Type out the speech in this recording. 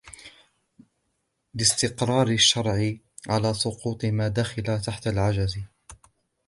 لِاسْتِقْرَارِ الشَّرْعِ عَلَى سُقُوطِ مَا دَخَلَ تَحْتَ الْعَجْزِ